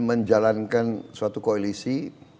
menjalankan suatu koalisi